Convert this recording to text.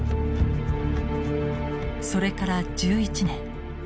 それから１１年。